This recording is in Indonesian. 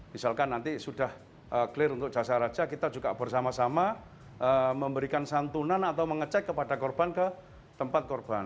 misalkan nanti sudah clear untuk jasa raja kita juga bersama sama memberikan santunan atau mengecek kepada korban ke tempat korban